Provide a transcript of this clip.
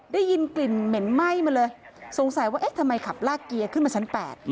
ได้ยินกลิ่นเหม็นไหม้มาเลยสงสัยว่าเอ๊ะทำไมขับลากเกียร์ขึ้นมาชั้น๘